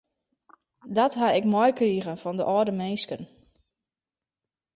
Dat ha ik meikrige fan de âlde minsken.